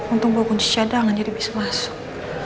untung gue kunci cadangan jadi bisa masuk